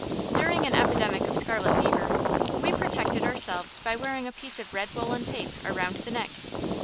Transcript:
During an epidemic of scarlet fever, we protected ourselves by wearing a piece of red woolen tape around the neck.